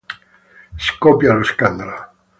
Scoppia lo scandalo.